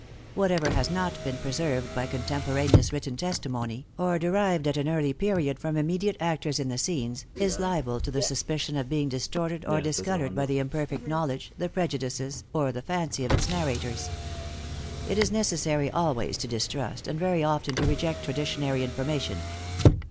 Whatever has not been preserved by contemporaneous written testimony, or derived at an early period from immediate actors in the scenes, is liable to the suspicion of being distorted or discolored by the imperfect knowledge, the prejudices, or the fancy of its narrators. It is necessary always to distrust, and very often to reject traditionary information.